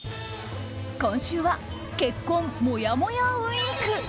今週は結婚もやもやウィーク。